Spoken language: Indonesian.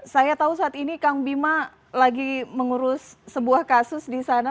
saya tahu saat ini kang bima lagi mengurus sebuah kasus di sana